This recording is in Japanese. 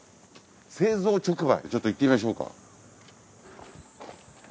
製造直売ちょっと行ってみましょうか。